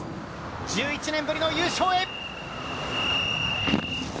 １１年ぶりの優勝へ！